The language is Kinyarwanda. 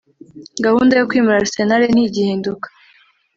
Gahunda yo kwimura Arsenal ntigihinduka